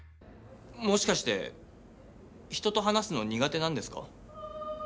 もしかして人と話すの苦手なんですか？